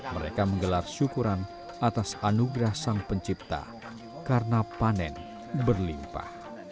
mereka menggelar syukuran atas anugerah sang pencipta karena panen berlimpah